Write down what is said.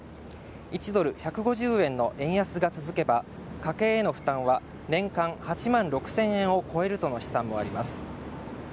１ドル＝１５０円の円安が続けば家計への負担は年間８万６０００円を超えるとの試算もあります